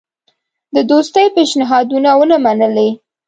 د دوستی پېشنهادونه ونه منلې.